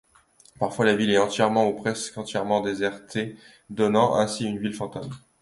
Parfois, la ville est entièrement ou presque entièrement désertée, donnant ainsi une ville fantôme.